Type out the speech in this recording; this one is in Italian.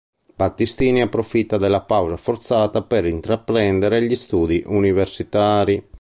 Battistini approfitta della pausa forzata per intraprendere gli studi universitari.